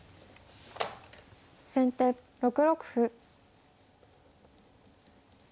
先手６六歩。